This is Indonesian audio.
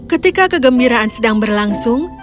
ketika kegembiraan sedang berlangsung